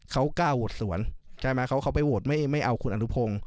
เขากล้าโหวตสวนใช่ไหมเขาไปโหวตไม่เอาคุณอนุพงศ์